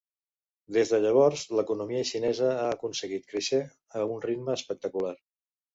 Des de llavors, l'economia xinesa ha aconseguit créixer a un ritme espectacular.